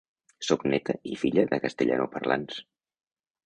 Sóc néta i filla de castellanoparlants.